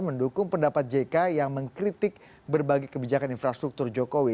mendukung pendapat jk yang mengkritik berbagai kebijakan infrastruktur jokowi